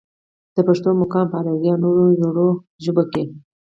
د پښتو مقام پۀ اريائي او نورو زړو ژبو کښې